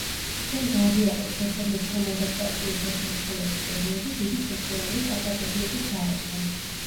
ჩვენ გავიარეთ რეფორმებთან ადაპტაციის ეს ურთულესი პერიოდი დიდი სოციალური კატაკლიზმების გარეშე.